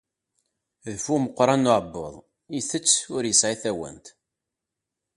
D bu umeqqran n uɛebbuḍ, itett ur yesɛi tawant.